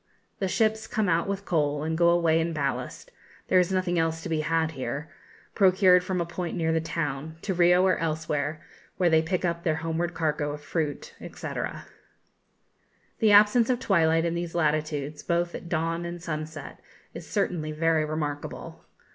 The ships come out with coal, and go away in ballast (there is nothing else to be had here), procured from a point near the town, to Rio or elsewhere, where they pick up their homeward cargo of fruit, &c. The absence of twilight in these latitudes, both at dawn and sunset, is certainly very remarkable.